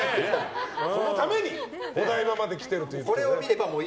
このためにお台場まで来ているという。